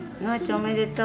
おめでとう。